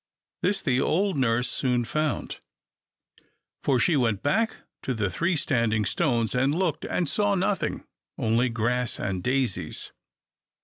This the old nurse soon found; for she went back to the three standing stones, and looked and saw nothing, only grass and daisies.